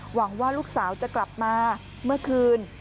หวังว่าลูกสาวจะกลับมาเมื่อคืน